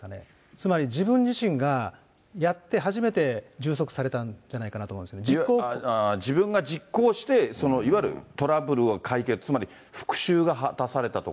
つまり自分自身がやって初めて充足されたんじゃないかなと思いま自分が実行して、いわゆるトラブルを解決、つまり復しゅうが果たされたとか？